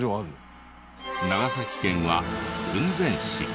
長崎県は雲仙市。